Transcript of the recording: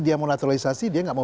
dia mau naturalisasi dia nggak mau